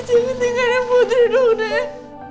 jangan tinggalin putri dong nek